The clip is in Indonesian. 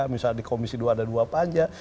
misalnya di komisi dua dan dua panja